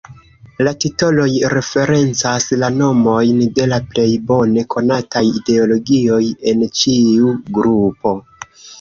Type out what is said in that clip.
La titoloj referencas la nomojn de la plej bone konataj ideologioj en ĉiu grupo.